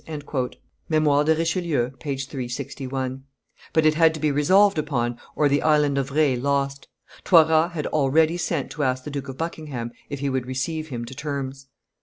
[Memoires de Richelieu, t. iii. p. 361]; but it had to be resolved upon or the Island of Re lost. Toiras had already sent to ask the Duke of Buckingham if he would receive him to terms.